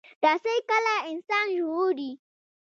رسۍ کله انسان ژغوري.